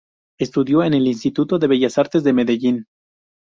Estudió en el Instituto de Bellas Artes de Medellín.